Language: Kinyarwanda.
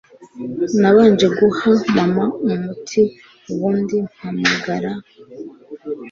nabanje guha mama umuti ubundi mpamagara